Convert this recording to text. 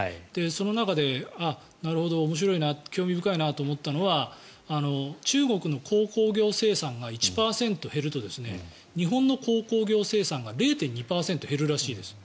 その中でなるほど、面白いな興味深いなと思ったのは中国の鉱工業生産が１％減ると日本の鉱工業生産が０．２％減るらしいです。